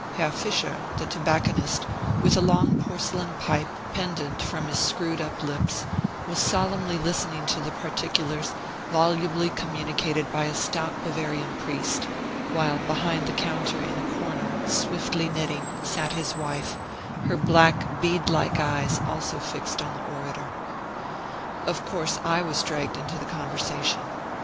Herr Fischer, the tobacconist, with a long porcelain pipe pendent from his screwed up lips, was solemnly listening to the particulars volubly communicated by a stout Bavarian priest; while behind the counter, in a corner, swiftly knitting, sat his wife, her black bead like eyes also fixed on the orator. Of course I was dragged into the conversation.